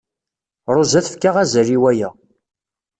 Ṛuza tefka azal i waya.